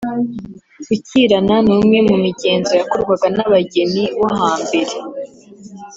Gukirana ni umwe mu migenzo yakorwaga n’abageni bo hambere